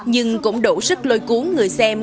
nhưng cũng đổ sức lôi cuốn người xem